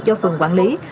do phường quản lý